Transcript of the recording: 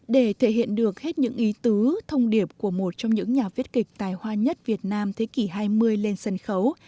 để thể hiện được hết những ý tứ thông điệp của một trong những nhà viết kịch tài hoa nhất việt nam thế kỷ hai mươi lên sân khấu